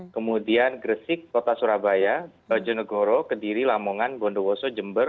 kemudian gresik kota surabaya bajo negoro kediri lamongan gondowoso jember